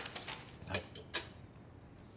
はい。